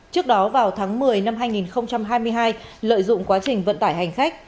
trước đó vào tháng một mươi năm hai nghìn hai mươi hai lợi dụng quá trình vận tải hành khách